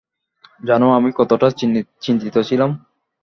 জানো, আমি কতটা চিন্তিত ছিলাম?